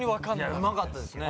うまかったですね